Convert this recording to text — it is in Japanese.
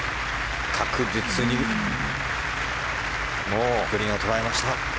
確実にグリーンを捉えました。